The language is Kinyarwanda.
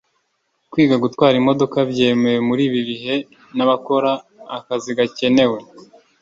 kwiga gutwara imodoka byemewe muri ibi bihe nabakora akazi gakenewe